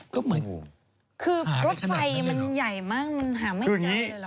คือรถไฟใหม่มั้งห่าไม่เจอดิลอฮะ